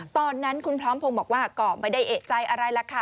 ตอนนั้นคุณพร้อมพงศ์บอกว่าก็ไม่ได้เอกใจอะไรล่ะค่ะ